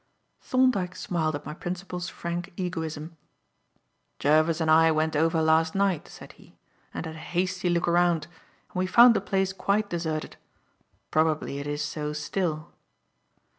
Thorndyke smiled at my principal's frank egoism. "Jervis and I went over last night," said he, "and had a hasty look round and we found the place quite deserted. Probably it is so still."